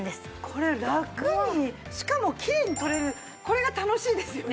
これラクにしかもきれいに取れるこれが楽しいですよね。